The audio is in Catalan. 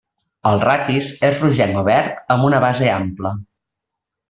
El raquis és rogenc o verd amb una base ampla.